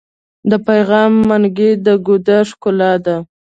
د پیغلو منګي د ګودر ښکلا ده.